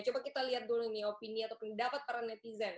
coba kita lihat dulu nih opini atau pendapat para netizen